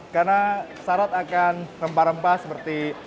karena syarat akan rempah rempah seperti ini